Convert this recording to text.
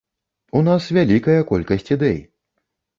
У нас вялікая колькасць ідэй.